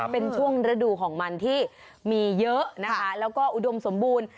เป็นช่วงฤดูของมันที่มีเยอะนะคะแล้วก็อุดมสมบูรณ์